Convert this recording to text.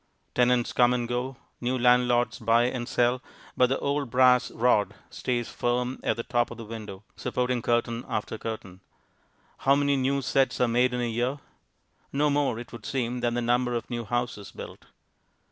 Tenants come and go, new landlords buy and sell, but the old brass rod stays firm at the top of the window, supporting curtain after curtain. How many new sets are made in a year? No more, it would seem, than the number of new houses built.